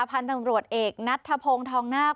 พันธุ์ตำรวจเอกนัทธพงศ์ทองนาค